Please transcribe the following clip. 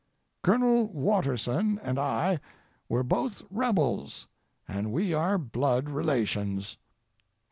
Colonel Watterson and I were both rebels, and we are blood relations.